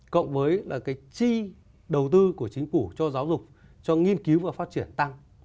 cộng với là cái chi đầu tư của chính phủ cho giáo dục cho nghiên cứu và phát triển tăng